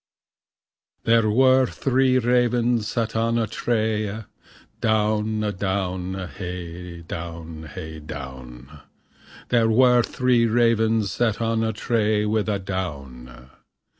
There were three ravens sat on a tree, Downe a downe, hay down, hay downe, There were three ravens sat on a tree, With a downe.